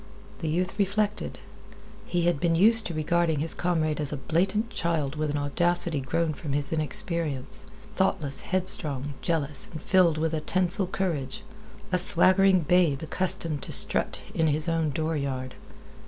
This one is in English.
The youth reflected. He had been used to regarding his comrade as a blatant child with an audacity grown from his inexperience, thoughtless, headstrong, jealous, and filled with a tinsel courage. A swaggering babe accustomed to strut in his own dooryard.